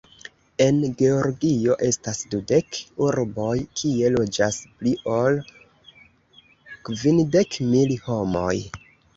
En Georgio estas dudek urboj, kie loĝas pli ol kvindek mil homoj.